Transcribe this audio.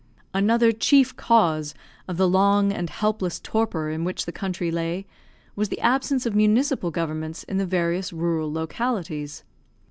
Another chief cause of the long and helpless torpor in which the country lay, was the absence of municipal governments in the various rural localities.